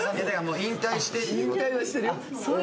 引退して。